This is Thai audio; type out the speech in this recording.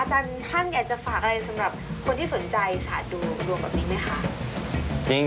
อาจารย์ท่านแค่จะฝากอะไรสำหรับคนที่สนใจสะดวกลับนี้ไหมคะ